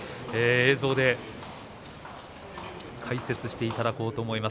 映像で解説していただこうと思います。